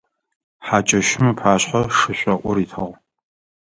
Хьакӏэщым ыпашъхьэ шышӏоӏур итыгъ.